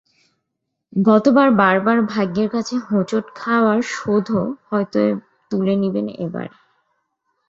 গতবার বারবার ভাগ্যের কাছে হোঁচট খাওয়ার শোধও হয়তো তুলে নেবেন এবার।